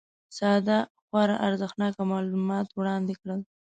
ساده خورا ارزښتناک معلومات وړاندي کړل